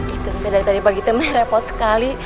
itu tadi bagitu repot sekali